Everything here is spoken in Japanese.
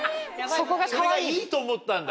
それがいいと思ったんだ。